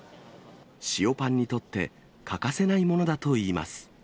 塩パンにとって、欠かせないものだといいます。